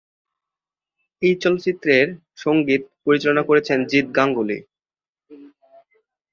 এই চলচ্চিত্রের সংগীত পরিচালনা করেছেন জিৎ গাঙ্গুলী।